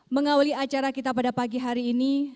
mengawali acara kita pada pagi hari ini